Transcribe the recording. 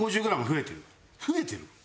増えてる？